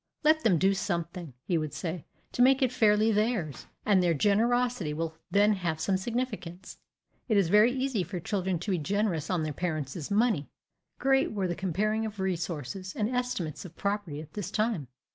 "Let them do something," he would say, "to make it fairly theirs, and their generosity will then have some significance it is very easy for children to be generous on their parents' money." Great were the comparing of resources and estimates of property at this time.